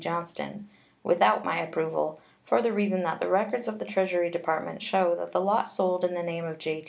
Johnston," without my approval, for the reason that the records of the Treasury Department show that the lot sold in the name of J.